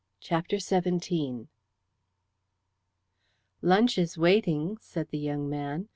CHAPTER XVII "Lunch is waiting," said the young man.